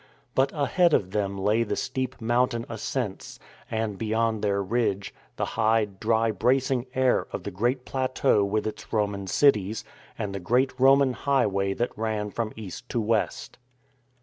But ahead of them lay the steep mountain ascents, and, beyond their ridge, the high, dry bracing air of the great plateau with its Roman cities, and the great Roman highway that ran from east to west.